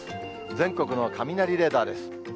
全国の雷レーダーです。